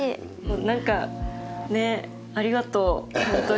何かねっありがとう本当に。